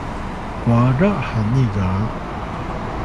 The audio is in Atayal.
kwara hani ga